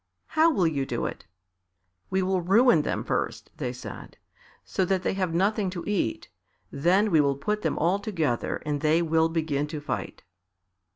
"How will you do it?" "We will ruin them first," they said, "so that they have nothing to eat, then we will put them all together and they will begin to fight."